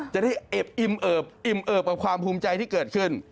จะได้อิบอิ่มเอิบอิ่มเอิบกับความภูมิใจที่เกิดขึ้น